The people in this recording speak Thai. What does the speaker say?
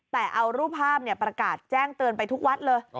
แต่เอารูปภาพประกาศแจ้งเตือนไปทุกวัดเลย